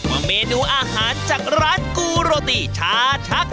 ว่าเมนูอาหารจากร้านกูโรตีชาชัก